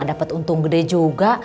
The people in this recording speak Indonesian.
dapet untung gede juga